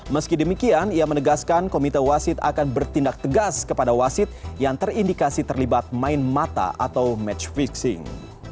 meski demikian ia menegaskan komite wasit akan bertindak tegas kepada wasit yang terindikasi terlibat main mata atau match fixing